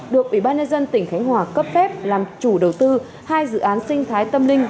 được ủy ban nhân dân tỉnh khánh hòa cấp phép làm chủ đầu tư hai dự án sinh thái tâm ninh